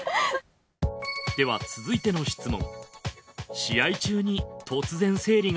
では続いての質問